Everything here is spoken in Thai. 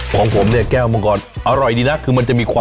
คุณอีไทยยังต้องบิดนี่ได้ไหมคะ